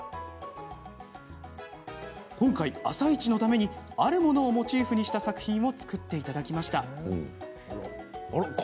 今回「あさイチ」のためにあるものをモチーフにした作品を作っていただきました。